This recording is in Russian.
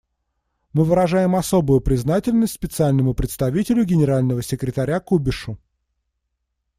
Мы выражаем особую признательность Специальному представителю Генерального секретаря Кубишу.